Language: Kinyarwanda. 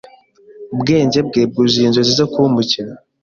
Ubwenge bwe bwuzuye inzozi zo kuba umukinnyi.